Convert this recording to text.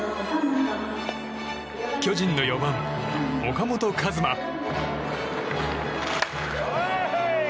巨人の４番・岡本和真。